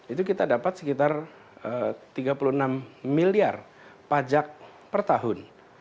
itu kita dapat sekitar tiga puluh enam miliar pajak per tahun